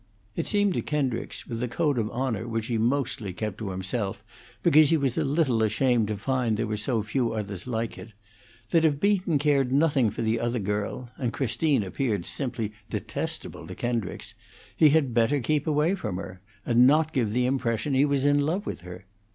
It seemed to Kendricks, with the code of honor which he mostly kept to himself because he was a little ashamed to find there were so few others like it, that if Beaton cared nothing for the other girl and Christine appeared simply detestable to Kendricks he had better keep away from her, and not give her the impression he was in love with her.